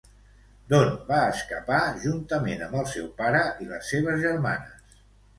D'on va escapar juntament amb el seu pare i les seves germanes?